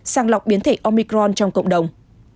sàng lọc biến thể omicron trong cộng đồng